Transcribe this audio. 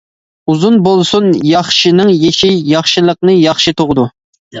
ئۇزۇن بولسۇن ياخشىنىڭ يېشى، ياخشىلىقنى ياخشى تۇغىدۇ.